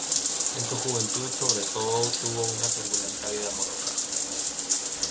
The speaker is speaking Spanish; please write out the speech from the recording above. En su juventud sobre todo tuvo una turbulenta vida amorosa.